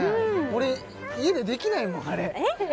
俺家でできないもんあれえっ！？